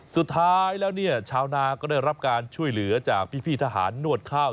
สุดท้ายแล้วเนี่ยชาวนาก็ได้รับการช่วยเหลือจากพี่ทหารนวดข้าว